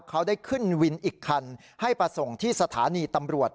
เขาได้ขึ้นวินอีกคันให้มาส่งที่สถานีตำรวจ